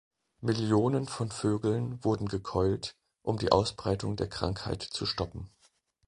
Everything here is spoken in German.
Millionen von Vögeln wurden gekeult, um die Ausbreitung der Krankheit zu stoppen.